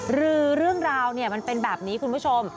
หรือเรื่องราวมันเป็นแบบนี้คุณผู้ชม